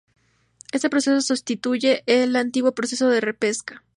Este proceso sustituye al antiguo proceso de repesca.